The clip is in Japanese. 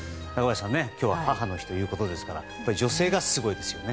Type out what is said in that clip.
今日は母の日ということで女性がすごいですよね。